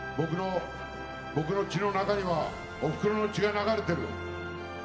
僕の血の中にはおふくろの血が流れてる。